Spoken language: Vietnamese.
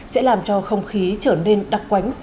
sẽ làm cho không khí trở nên đặc quánh